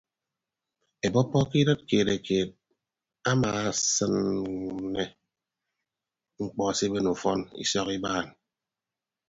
Eebọppọ ke idịt keetekeet anaasịne ñkpọ siben ufọn isọk ibaan.